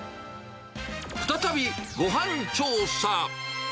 再びごはん調査。